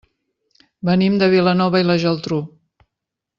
Venim de Vilanova i la Geltrú.